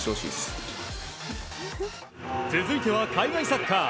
続いては海外サッカー。